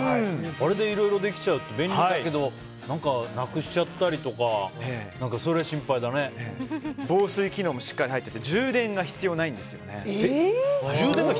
あれでいろいろできちゃうって便利だけどなくしちゃったりとか防水機能もしっかり入っていて充電が必要ないんです。